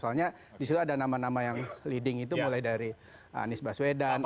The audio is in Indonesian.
soalnya di situ ada nama nama yang leading itu mulai dari anies baswedan